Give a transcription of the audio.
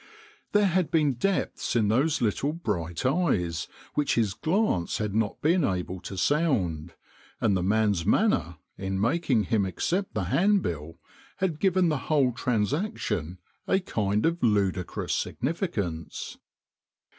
There had been depths in those little bright THE COFFIN MERCHANT 171 eyes which his glance had not been able to sound, and the man's manner in making him accept the handbill had given the whole transaction a kind of ludicrous significance.